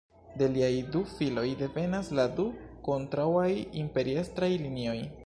De liaj du filoj devenas la du kontraŭaj imperiestraj linioj.